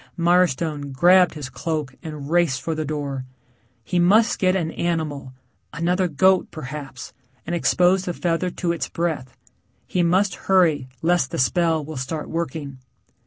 Mirestone grabbed his cloak and raced for the door. He must get an animal another goat, perhaps, and expose the feather to its breath. He must hurry lest the spell will start working.